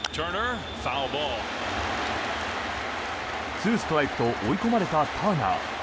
２ストライクと追い込まれたターナー。